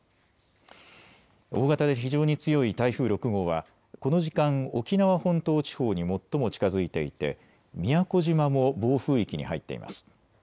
大型で非常に強い台風６号はこの時間、沖縄本島地方に最も近づいていて宮古島も暴風域に入っています。